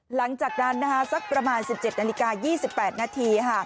หลังจากนั้นสักประมาณ๑๗นาฬิกา๒๘นาที